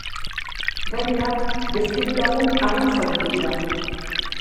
Gainera, beste hiru lagun arin zauritu dira.